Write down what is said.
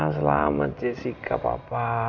selamat jessica papa